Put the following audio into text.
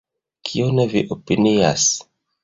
Kion vi opinias?